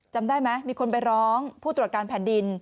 จำได้ไหมมีคนไปร้องผู้ตรวจการแผ่นดิน